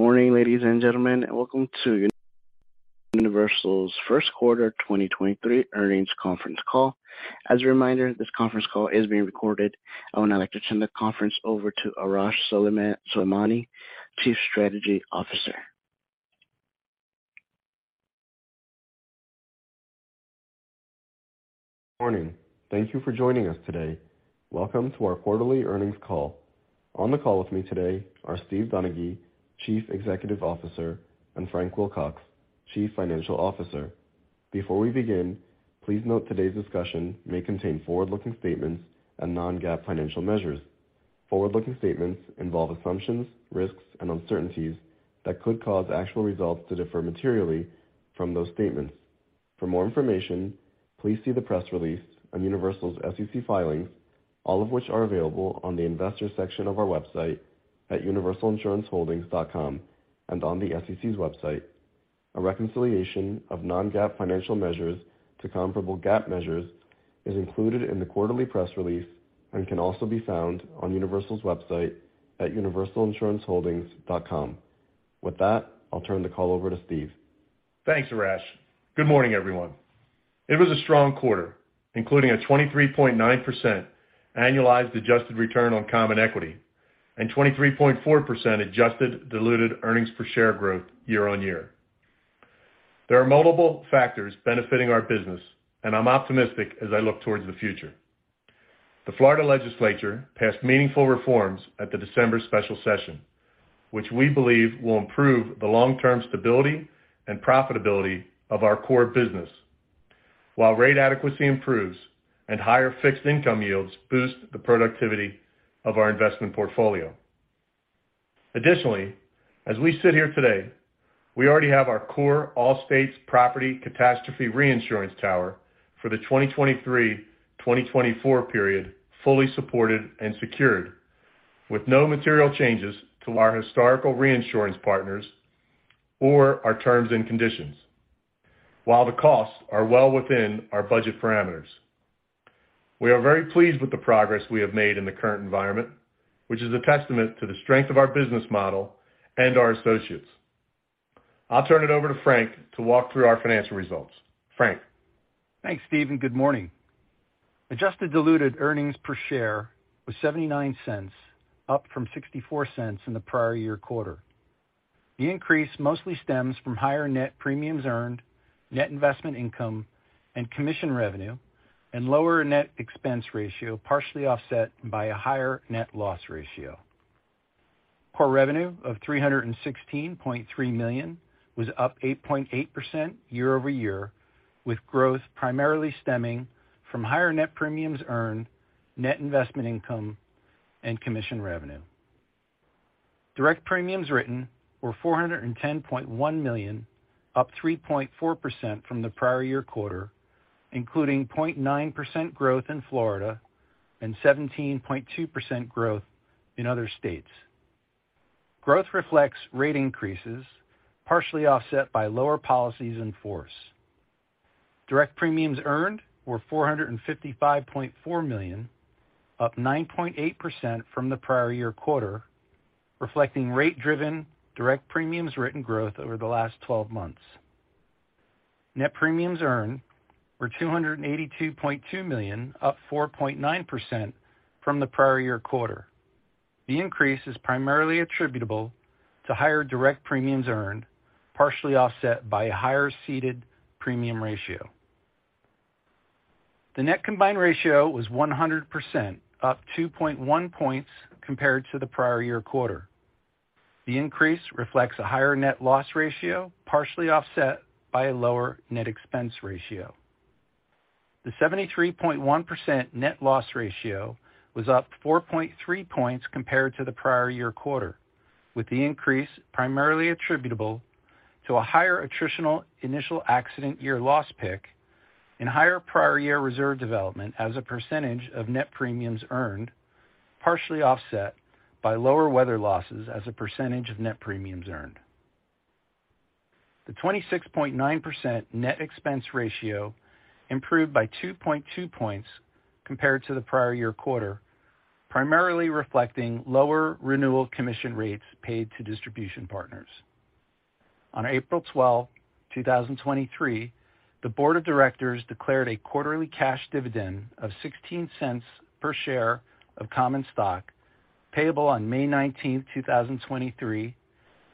Good morning, ladies and gentlemen, welcome to Universal's First Quarter 2023 Earnings Conference Call. As a reminder, this conference call is being recorded. I would now like to turn the conference over to Arash Soleimani, Chief Strategy Officer. Morning. Thank you for joining us today. Welcome to our quarterly earnings call. On the call with me today are Steve Donaghy, Chief Executive Officer, and Frank Wilcox, Chief Financial Officer. Before we begin, please note today's discussion may contain forward-looking statements and non-GAAP financial measures. Forward-looking statements involve assumptions, risks, and uncertainties that could cause actual results to differ materially from those statements. For more information, please see the press release on Universal's SEC filings, all of which are available on the Investors section of our website at universalinsuranceholdings.com and on the SEC's website. A reconciliation of non-GAAP financial measures to comparable GAAP measures is included in the quarterly press release and can also be found on Universal's website at universalinsuranceholdings.com. With that, I'll turn the call over to Steve. Thanks, Arash. Good morning, everyone. It was a strong quarter, including a 23.9% annualized adjusted return on common equity and 23.4% adjusted diluted earnings per share growth year-on-year. There are multiple factors benefiting our business, and I'm optimistic as I look towards the future. The Florida legislature passed meaningful reforms at the December special session, which we believe will improve the long-term stability and profitability of our core business. While rate adequacy improves and higher fixed income yields boost the productivity of our investment portfolio. Additionally, as we sit here today, we already have our core All States property catastrophe reinsurance tower for the 2023, 2024 period fully supported and secured with no material changes to our historical reinsurance partners or our terms and conditions. While the costs are well within our budget parameters. We are very pleased with the progress we have made in the current environment, which is a testament to the strength of our business model and our associates. I'll turn it over to Frank to walk through our financial results. Frank. Thanks, Steve. Good morning. Adjusted diluted earnings per share was $0.79, up from $0.64 in the prior year quarter. The increase mostly stems from higher net premiums earned, net investment income and commission revenue, and lower net expense ratio, partially offset by a higher net loss ratio. Core revenue of $316.3 million was up 8.8% year-over-year, with growth primarily stemming from higher net premiums earned, net investment income and commission revenue. Direct premiums written were $410.1 million, up 3.4% from the prior year quarter, including 0.9% growth in Florida and 17.2% growth in other states. Growth reflects rate increases, partially offset by lower policies in force. Direct premiums earned were $455.4 million, up 9.8% from the prior year quarter, reflecting rate-driven direct premiums written growth over the last 12 months. Net premiums earned were $282.2 million, up 4.9% from the prior year quarter. The increase is primarily attributable to higher direct premiums earned, partially offset by a higher ceded premium ratio. The net combined ratio was 100%, up 2.1 points compared to the prior year quarter. The increase reflects a higher net loss ratio, partially offset by a lower net expense ratio. The 73.1% net loss ratio was up 4.3 points compared to the prior year quarter, with the increase primarily attributable to a higher attritional initial accident year loss pick and higher prior year reserve development as a percentage of net premiums earned, partially offset by lower weather losses as a percentage of net premiums earned. The 26.9% net expense ratio improved by 2.2 points compared to the prior year quarter, primarily reflecting lower renewal commission rates paid to distribution partners. On April 12, 2023, the board of directors declared a quarterly cash dividend of $0.16 per share of common stock payable on May 19, 2023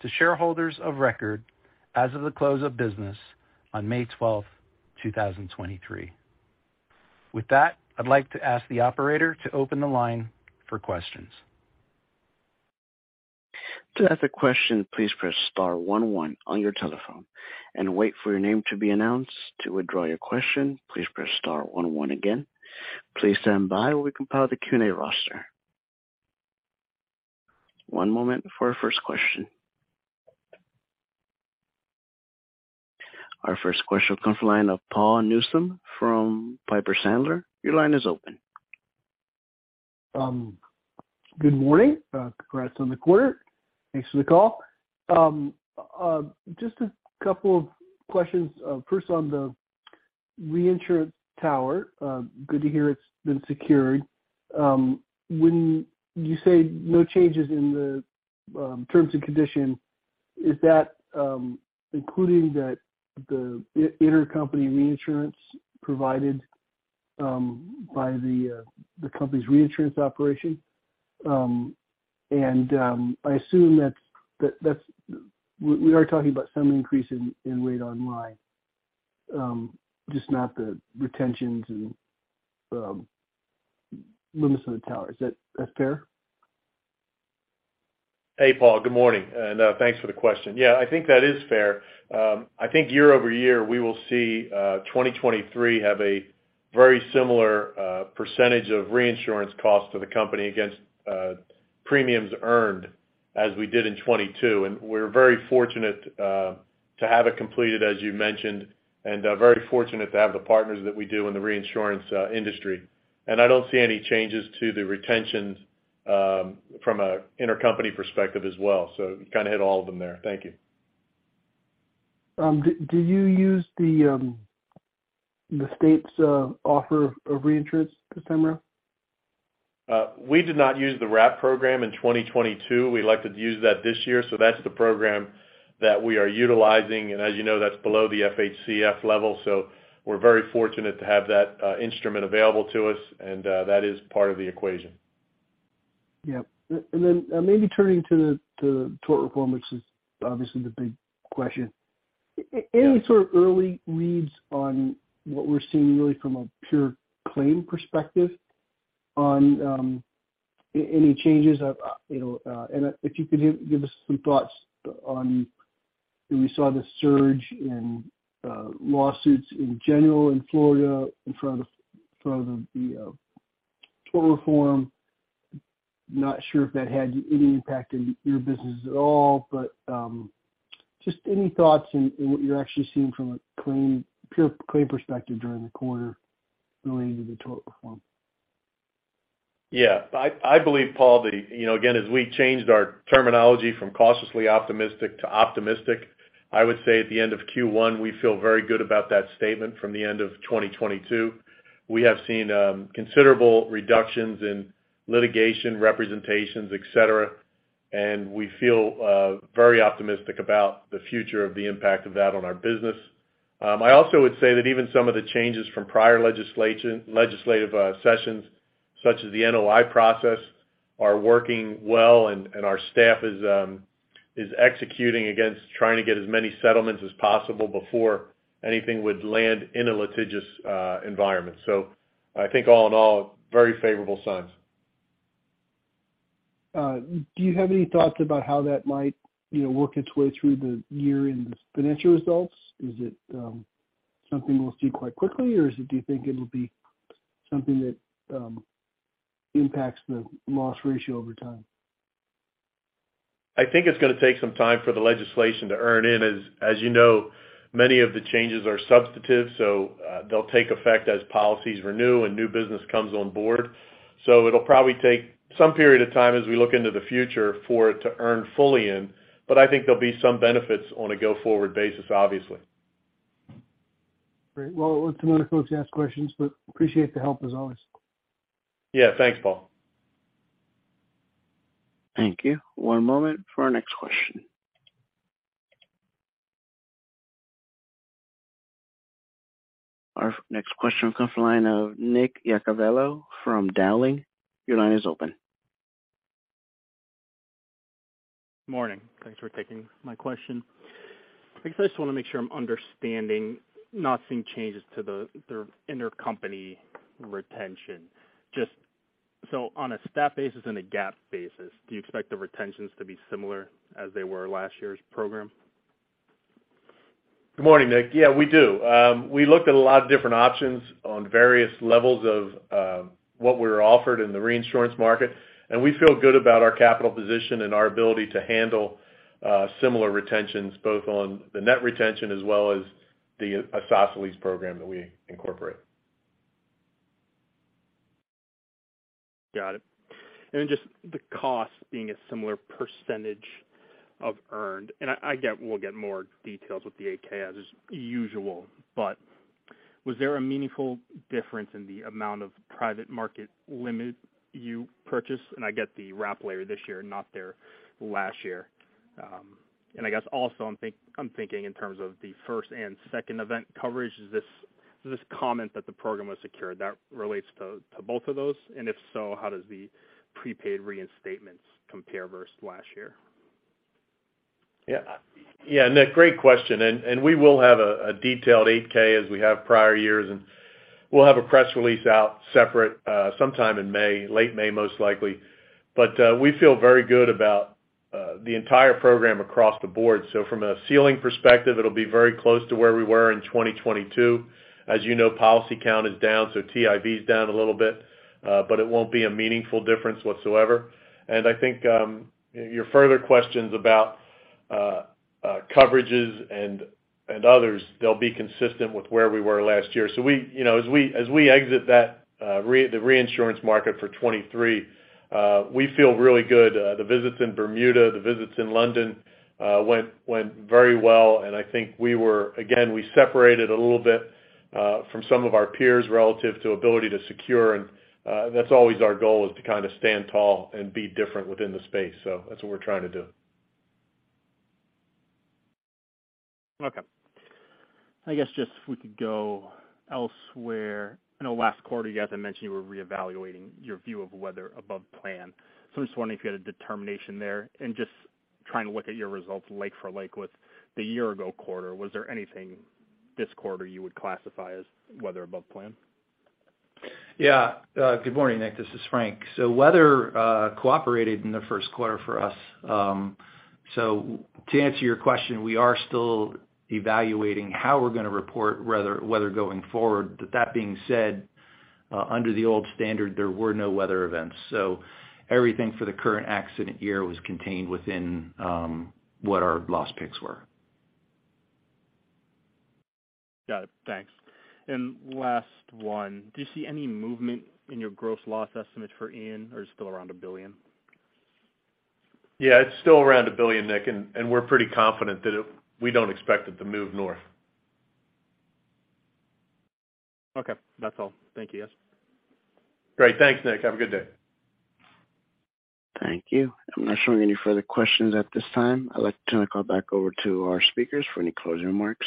to shareholders of record as of the close of business on May 12, 2023. With that, I'd like to ask the operator to open the line for questions. To ask a question, please press star one one on your telephone and wait for your name to be announced. To withdraw your question, please press star one one again. Please stand by while we compile the Q&A roster. One moment for our first question. Our first question comes line of Paul Newsome from Piper Sandler. Your line is open. Good morning, congrats on the quarter. Thanks for the call. Just a couple of questions. First on the Reinsurance tower, good to hear it's been secured. When you say no changes in the terms and condition, is that including the intercompany reinsurance provided by the company's reinsurance operation? I assume that's, we are talking about some increase in weight online, just not the retentions and limits on the tower. Is that fair? Hey, Paul. Good morning, and thanks for the question. Yeah. I think that is fair. I think year-over-year, we will see 2023 have a very similar % of reinsurance cost to the company against premiums earned as we did in 2022. We're very fortunate to have it completed, as you mentioned, and very fortunate to have the partners that we do in the reinsurance industry. I don't see any changes to the retention from an intercompany perspective as well. You kinda hit all of them there. Thank you. Did you use the state's offer of reinsurance this time around? We did not use the RAP program in 2022. We elected to use that this year. That's the program that we are utilizing. As you know, that's below the FHCF level. We're very fortunate to have that instrument available to us, and that is part of the equation. Yeah. Maybe turning to the tort reform, which is obviously the big question. Yeah. Any sort of early reads on what we're seeing really from a pure claim perspective on, any changes of, you know, and if you could give us some thoughts on we saw the surge in lawsuits in general in Florida in front of the tort reform. Not sure if that had any impact in your business at all. Just any thoughts in what you're actually seeing from a claim, pure claim perspective during the quarter relating to the tort reform? Yeah. I believe, Paul, that, you know, again, as we changed our terminology from cautiously optimistic to optimistic, I would say at the end of Q1, we feel very good about that statement from the end of 2022. We have seen considerable reductions in litigation representations, et cetera, and we feel very optimistic about the future of the impact of that on our business. I also would say that even some of the changes from prior legislative sessions, such as the NOI process, are working well and our staff is executing against trying to get as many settlements as possible before anything would land in a litigious environment. I think all in all, very favorable signs. Do you have any thoughts about how that might, you know, work its way through the year in these financial results? Is it something we'll see quite quickly, or do you think it'll be something that impacts the loss ratio over time? I think it's gonna take some time for the legislation to earn in. As you know, many of the changes are substantive, so, they'll take effect as policies renew and new business comes on board. It'll probably take some period of time as we look into the future for it to earn fully in, but I think there'll be some benefits on a go-forward basis, obviously. Great. Well, we'll let some other folks ask questions, but appreciate the help as always. Yeah. Thanks, Paul. Thank you. One moment for our next question. Our next question comes from the line of Nick Iacoviello from Dowling. Your line is open. Morning. Thanks for taking my question. I guess I just wanna make sure I'm understanding not seeing changes to the intercompany retention. Just on a stat basis and a GAAP basis, do you expect the retentions to be similar as they were last year's program? Good morning, Nick. Yeah, we do. We looked at a lot of different options on various levels of what we were offered in the reinsurance market. We feel good about our capital position and our ability to handle similar retentions both on the net retention as well as the associated lease program that we incorporate. Got it. Just the cost being a similar percentage of earned, I get we'll get more details with the 8-K as is usual. Was there a meaningful difference in the amount of private market limit you purchased? I get the RAP layer this year, not there last year. I guess also I'm thinking in terms of the first and second event coverage. Is this comment that the program was secured, that relates to both of those? If so, how does the prepaid reinstatements compare versus last year? Yeah. Yeah. Nick, great question, and we will have a detailed 8-K as we have prior years, and we'll have a press release out separate, sometime in May, late May, most likely. We feel very good about the entire program across the board. From a ceiling perspective, it'll be very close to where we were in 2022. As you know, policy count is down, so TIV is down a little bit, but it won't be a meaningful difference whatsoever. I think, your further questions about coverages and others, they'll be consistent with where we were last year. We, you know, as we, as we exit that, the reinsurance market for 2023, we feel really good. The visits in Bermuda, the visits in London went very well, and I think we separated a little bit from some of our peers relative to ability to secure and that's always our goal is to kinda stand tall and be different within the space. That's what we're trying to do. Okay. I guess just if we could go elsewhere. I know last quarter, you guys had mentioned you were reevaluating your view of weather above plan. I'm just wondering if you had a determination there. Just trying to look at your results like for like with the year-ago quarter, was there anything this quarter you would classify as weather above plan? Good morning, Nick. This is Frank. Weather cooperated in the first quarter for us. To answer your question, we are still evaluating how we're going to report weather going forward. That being said, under the old standard, there were no weather events. Everything for the current accident year was contained within what our loss picks were. Got it. Thanks. Last one. Do you see any movement in your gross loss estimate for Ian, or still around $1 billion? Yeah, it's still around $1 billion, Nick. We're pretty confident that we don't expect it to move north. Okay, that's all. Thank you, guys. Great. Thanks, Nick. Have a good day. Thank you. I'm not showing any further questions at this time. I'd like to turn the call back over to our speakers for any closing remarks.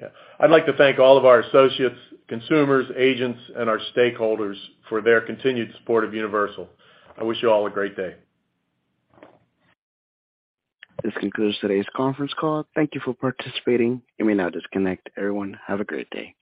Yeah. I'd like to thank all of our associates, consumers, agents, and our stakeholders for their continued support of Universal. I wish you all a great day. This concludes today's conference call. Thank you for participating. You may now disconnect. Everyone, have a great day.